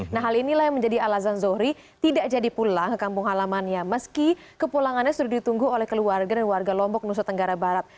nah hal inilah yang menjadi alasan zohri tidak jadi pulang ke kampung halamannya meski kepulangannya sudah ditunggu oleh keluarga dan warga lombok nusa tenggara barat